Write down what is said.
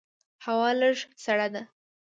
هوا لږه سړه ده.